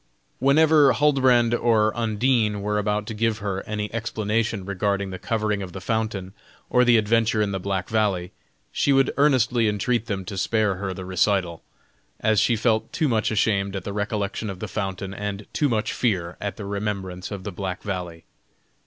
Whenever Huldbrand or Undine were about to give her any explanation regarding the covering of the fountain or the adventure in the Black Valley, she would earnestly entreat them to spare her the recital, as she felt too much shame at the recollection of the fountain, and too much fear at the remembrance of the Black Valley.